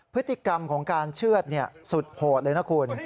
พฤติกรรมของการเชื่อดสุดโหดเลยนะคุณ